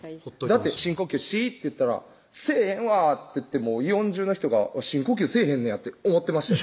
だって「深呼吸し」って言ったら「せぇへんわ！」って言ってイオン中の人が深呼吸せぇへんねやって思ってました